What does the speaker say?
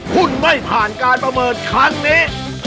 คุณไม่ผ่านการประเมิดครั้งนี้